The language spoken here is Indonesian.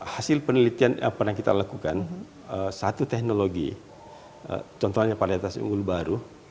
hasil penelitian yang pernah kita lakukan satu teknologi contohnya varietas unggul baru